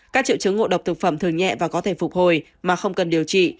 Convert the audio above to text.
các triệu chứng ngộ độc thực phẩm thường nhẹ và có thể phục hồi mà không cần điều trị